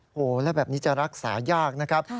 โอ้โหแล้วแบบนี้จะรักษายากนะครับ